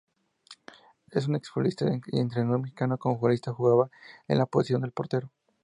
Es un ex-futbolista y entrenador mexicano, como futbolista jugaba en la posición de Portero.